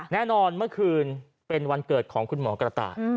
แน่นอนเมื่อคืนเป็นวันเกิดของคุณหมอกระต่าย